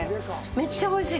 めっちゃおいしい。